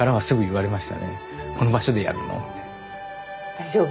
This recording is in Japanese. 「大丈夫？」